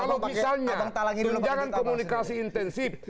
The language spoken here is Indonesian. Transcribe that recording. kalau misalnya tunjangan komunikasi intensif